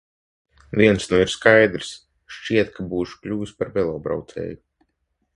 Viens nu ir skaidrs – šķiet, ka būšu kļuvis par velobraucēju.